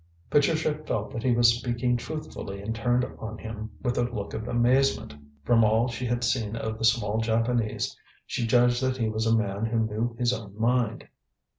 Patricia felt that he was speaking truthfully and turned on him with a look of amazement. From all she had seen of the small Japanese, she judged that he was a man who knew his own mind.